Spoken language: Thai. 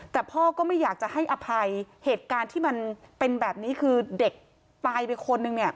แต่พ่อก็ไม่อยากจะให้อภัยเหตุการณ์ที่มันเป็นแบบนี้คือเด็กตายไปคนนึงเนี่ย